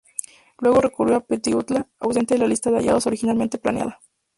Luego recurrió a Petliura, ausente de la lista de aliados originalmente planeada.